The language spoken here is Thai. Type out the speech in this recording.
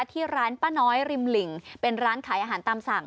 ที่ร้านป้าน้อยริมหลิ่งเป็นร้านขายอาหารตามสั่ง